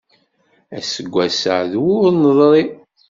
Aseggas-a d wur neḍṛi.